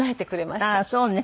ああそうね。